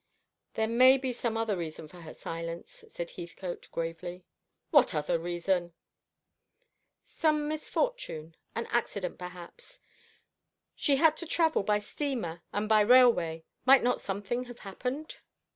"There may be some other reason for her silence," said Heathcote gravely. "What other reason?" "Some misfortune; an accident, perhaps. She had to travel by steamer and by railway. Might not something have happened?"